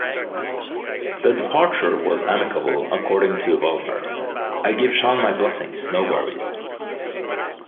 The departure was amicable according to Vollmer: I give Sean my blessings, no worries.